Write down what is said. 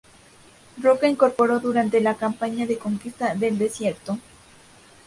Roca incorporó durante la campaña de Conquista del Desierto.